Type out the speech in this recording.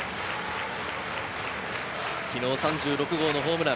昨日３６号のホームラン。